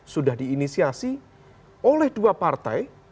sudah diinisiasi oleh dua partai